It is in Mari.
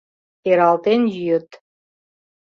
Пералтен йӱыт.